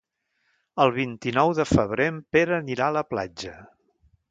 El vint-i-nou de febrer en Pere anirà a la platja.